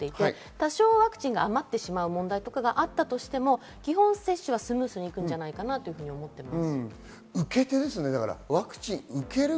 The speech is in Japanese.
多少ワクチンが余ってしまう問題があったとしても、基本接種はスムーズにいくのではないかと思います。